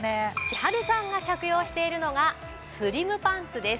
千春さんが着用しているのがスリムパンツです。